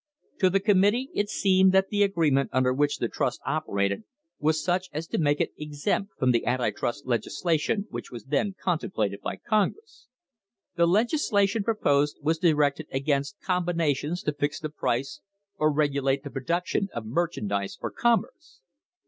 To the committee it seemed that the agreement under which the trust operated was such as to make it exempt from the anti trust legislation which was then contemplated by Congress. The legislation proposed was directed against "combinations to fix the price or regulate the production of merchandise or commerce."